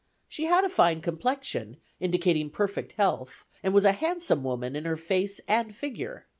She had a fine complexion, indicating perfect health, and was a handsome woman in her face and figure.